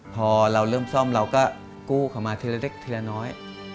พอเราเริ่มซ่อมเราก็กู้เขามาทีละเล็กทีละน้อย